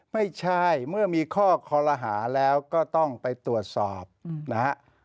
ไม่ใช่เมื่อมีข้อคอลหาแล้วก็ต้องไปตรวจสอบนะฮะ